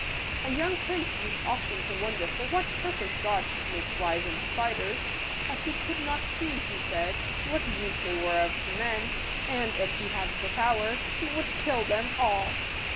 A young prince used often to wonder for what purpose God had made flies and spiders, as he could not seef he said, what use they were of to men, and, if he had the power, he would kill them all.